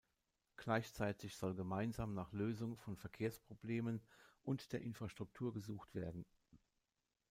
Gleichzeitig soll gemeinsam nach Lösung von Verkehrsproblemen und der Infrastruktur gesucht werden.